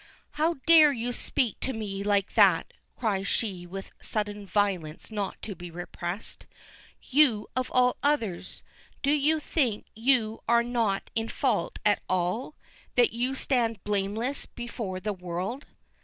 "How dare you speak to me like that," cries she with sudden violence not to be repressed. "You of all others! Do you think you are not in fault at all that you stand blameless before the world?"